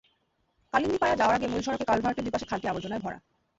কালিন্দিপাড়া যাওয়ার আগে মূল সড়কে কালভার্টের দুই পাশে খালটি আবর্জনায় ভরা।